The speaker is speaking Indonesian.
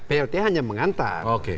plt hanya mengantar